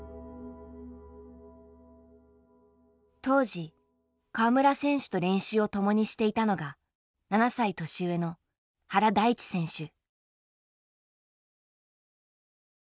当時川村選手と練習を共にしていたのが７歳年上の原大智選手。